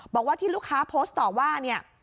บอกว่าที่ลูกค้าโพสต์ต่อว่าเนี่ย